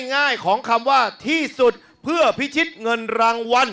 ง่ายของคำว่าที่สุดเพื่อพิชิตเงินรางวัล